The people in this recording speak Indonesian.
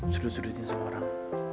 sudut sudutin sama orang